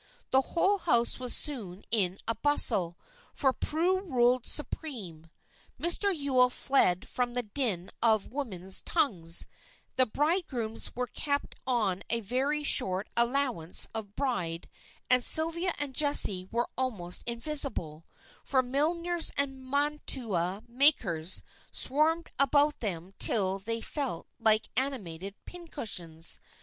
The whole house was soon in a bustle, for Prue ruled supreme. Mr. Yule fled from the din of women's tongues, the bridegrooms were kept on a very short allowance of bride, and Sylvia and Jessie were almost invisible, for milliners and mantua makers swarmed about them till they felt like animated pin cushions.